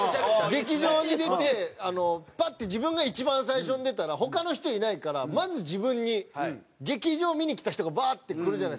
劇場に出てパッて自分が一番最初に出たら他の人いないからまず自分に劇場見にきた人がバーッて来るじゃないですか。